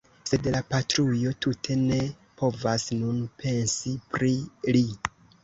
Sed la patrujo tute ne povas nun pensi pri li.